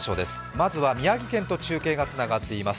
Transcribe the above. まずは宮城県と中継がつながっています。